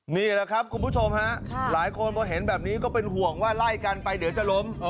นี่แหละครับคุณผู้ชมฮะหลายคนพอเห็นแบบนี้ก็เป็นห่วงว่าไล่กันไปเดี๋ยวจะล้ม